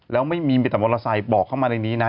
แล้วไม่มีมิตรมอสัยบอกเข้ามาในนี้นะ